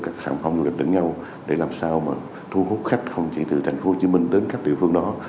các sản phẩm du lịch đứng nhau để làm sao mà thu hút khách không chỉ từ thành phố hồ chí minh đến các địa phương đó